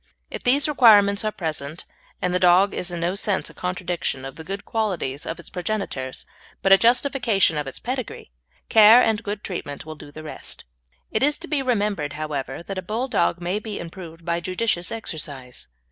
If these requirements are present and the dog is in no sense a contradiction of the good qualities of its progenitors, but a justification of its pedigree, care and good treatment will do the rest. It is to be remembered, however, that a Bulldog may be improved by judicious exercise.